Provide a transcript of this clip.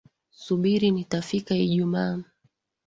Subiri nitafika Ijumaa